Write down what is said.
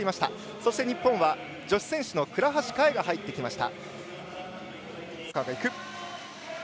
そして日本は女子選手の倉橋香衣が入ってきました。